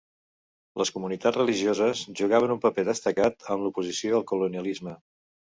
Les comunitats religioses jugaven un paper destacat en l'oposició al colonialisme.